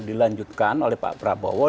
dilanjutkan oleh pak prabowo